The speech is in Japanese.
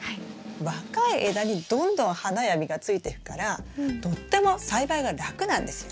若い枝にどんどん花や実がついていくからとっても栽培が楽なんですよ。